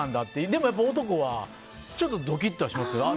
でも、男はちょっとドキッとはしますけどね。